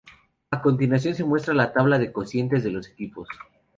A continuación se muestra la tabla de cocientes de los equipos.